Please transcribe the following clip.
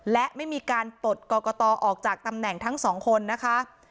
และไม่มีการปลดกรกตออกจากตำแหน่งทั้งสองคนนะคะ